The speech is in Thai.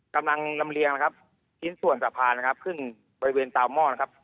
กำลังลำเลียงนะครับชิ้นส่วนสะพานนะครับขึ้นบริเวณตามหม้อนะครับ